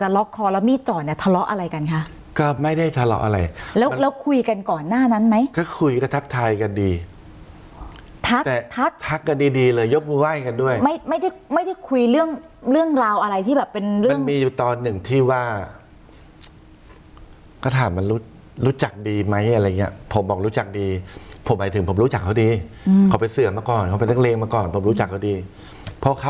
แล้วแล้วคุยกันก่อนหน้านั้นไหมก็คุยกับทักทายกันดีทักทักทักกันดีดีเลยยกว่ายกันด้วยไม่ไม่ได้ไม่ได้คุยเรื่องเรื่องราวอะไรที่แบบเป็นเรื่องมันมีอยู่ตอนหนึ่งที่ว่าก็ถามมันรู้รู้จักดีไหมอะไรอย่างเงี้ยผมบอกรู้จักดีผมหมายถึงผมรู้จักเขาดีอืมเขาไปเสือกมาก่อนเขาไปนักเลงมาก่อนผมรู้จักเข